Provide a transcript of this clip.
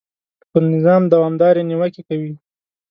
پر نظام دوامدارې نیوکې کوي.